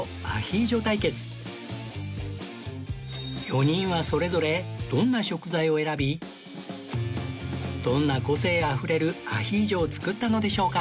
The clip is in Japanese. ４人はそれぞれどんな食材を選びどんな個性あふれるアヒージョを作ったのでしょうか？